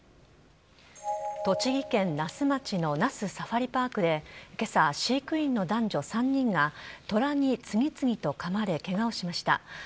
栃木県那須町の那須サファリパークで、けさ、飼育員の男女３人が、トラに次々とかまれけがをしました。